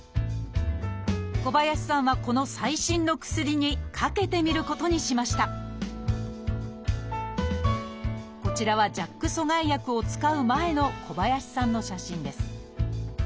小林さんはこの最新の薬にかけてみることにしましたこちらはＪＡＫ阻害薬を使う前の小林さんの写真です。